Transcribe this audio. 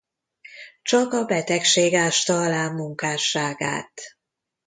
Csak a betegség ásta alá munkásságát.